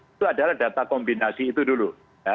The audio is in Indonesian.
itu adalah data kombinasi itu dulu